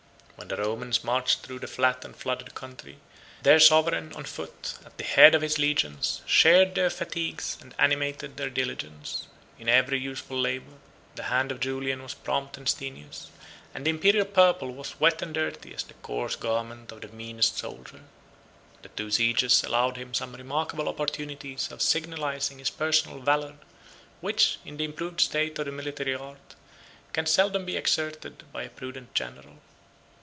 When the Romans marched through the flat and flooded country, their sovereign, on foot, at the head of his legions, shared their fatigues and animated their diligence. In every useful labor, the hand of Julian was prompt and strenuous; and the Imperial purple was wet and dirty as the coarse garment of the meanest soldier. The two sieges allowed him some remarkable opportunities of signalizing his personal valor, which, in the improved state of the military art, can seldom be exerted by a prudent general.